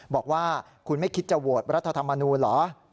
บอกว่าคุณไม่คิดจะโหวตรัฐธรรมนูลเหรอ